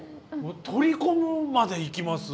取り込むまでいきます？